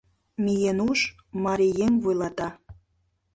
Миен уж Марий еҥ вуйлата;